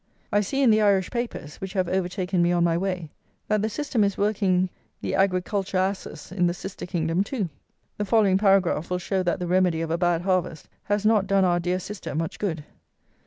I see, in the Irish papers, which have overtaken me on my way, that the system is working the Agriculturasses in "the sister kingdom" too! The following paragraph will show that the remedy of a bad harvest has not done our dear sister much good.